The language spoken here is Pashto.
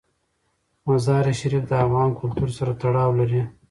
مزارشریف د افغان کلتور سره تړاو لري.